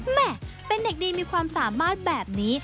แม่เป็นเด็กดีมีความสามารถแบบนี้